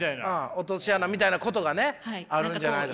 落とし穴みたいなことがねあるんじゃないかと。